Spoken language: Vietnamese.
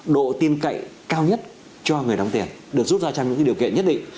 quyền lợi cao nhất cho người đóng tiền được rút ra trong những điều kiện nhất định